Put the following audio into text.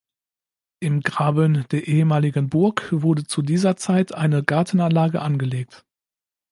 Im Graben der ehemaligen Burg wurde zu dieser Zeit eine Gartenanlage angelegt.